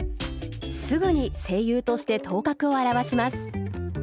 すぐに声優として頭角を現します。